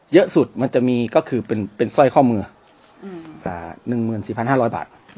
เยอะสุดมันจะมีก็คือเป็นเป็นสร้อยข้อมืออืมสักหนึ่งหมื่นสี่พันห้าร้อยบาท